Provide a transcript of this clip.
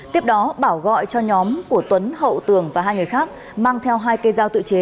tiếp đó bảo gọi cho nhóm của tuấn hậu tường và hai người khác mang theo hai cây dao tự chế